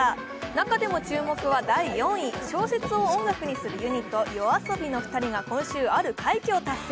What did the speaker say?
中でも注目は第４位、小説を音楽にするユニットＹＯＡＳＯＢＩの２人が今週、ある快挙を達成。